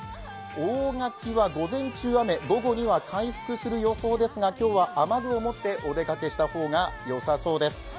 大垣は午前中は雨、午後には回復する予報ですが今日は雨具を持ってお出かけした方がよさそうです。